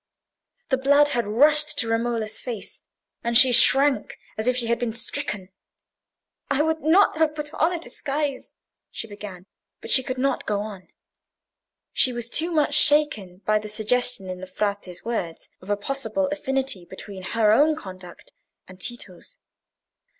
The blood had rushed to Romola's face, and she shrank as if she had been stricken. "I would not have put on a disguise," she began; but she could not go on,—she was too much shaken by the suggestion in the Frate's words of a possible affinity between her own conduct and Tito's.